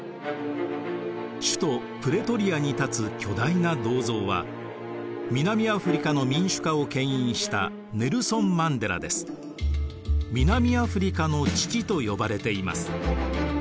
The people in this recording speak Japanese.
首都プレトリアに立つ巨大な銅像は南アフリカの民主化をけん引した南アフリカの父と呼ばれています。